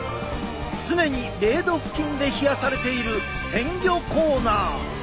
常に０度付近で冷やされている鮮魚コーナー！